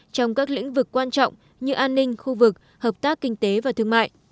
trong các lĩnh vực quan trọng như an ninh khu vực hợp tác kinh tế và thương mại